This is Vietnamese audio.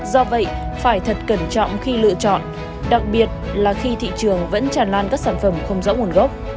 do vậy phải thật cẩn trọng khi lựa chọn đặc biệt là khi thị trường vẫn tràn lan các sản phẩm không rõ nguồn gốc